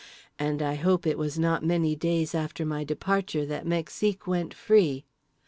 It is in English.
And I hope it was not many days after my departure that Mexique went free.